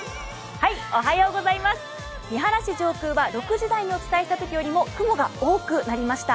三原市上空は６時台にお伝えしたときよりも雲が多くなりました。